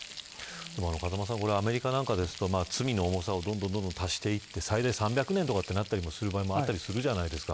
風間さん、アメリカなどだと罪の重さをどんどん足していって最大３００年になる場合もあるじゃないですか。